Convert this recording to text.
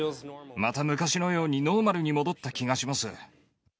また昔のようにノーマルに戻った気がします。